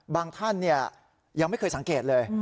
ท่านยังไม่เคยสังเกตเลย